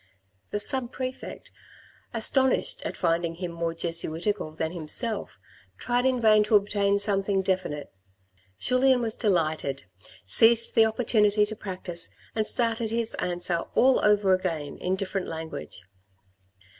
The sub prefect, astonished at finding him more Jesuitical than himself, tried in vain to obtain something definite. Julien was delighted, seized the opportunity to practise, and started his answer all over again in different language.